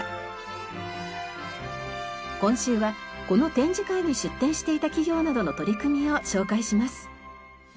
今週はこの展示会に出展していた企業などの取り組みを紹介します。